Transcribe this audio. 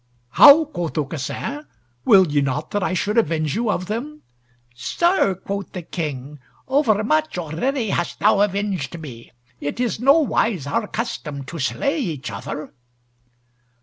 "How," quoth Aucassin, "will ye not that I should avenge you of them?" "Sir," quoth the King, "overmuch already hast thou avenged me. It is nowise our custom to slay each other."